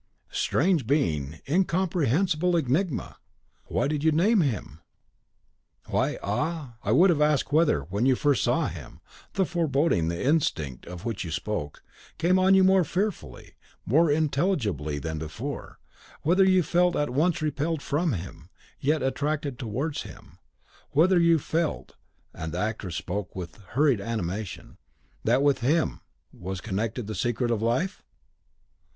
"Strange being! incomprehensible enigma! Why did you name him?" "Why! ah, I would have asked whether, when you first saw him, the foreboding, the instinct, of which you spoke, came on you more fearfully, more intelligibly than before; whether you felt at once repelled from him, yet attracted towards him; whether you felt," and the actress spoke with hurried animation, "that with HIM was connected the secret of your life?"